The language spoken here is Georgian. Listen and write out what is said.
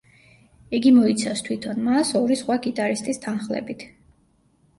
იგი მოიცავს თვითონ მას ორი სხვა გიტარისტის თანხლებით.